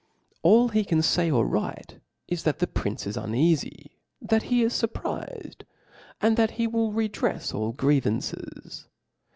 All he can fay or write 19 that the prince is uneafy^ that he is furprifed^ and that he will redref^ all grievances.